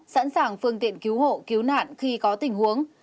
sẵn sàng phương tiện cứu hộ cứu nạn khi có tình huống